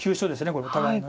これお互いの。